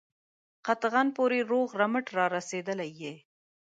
قطغن پوري روغ رمټ را رسېدلی یې.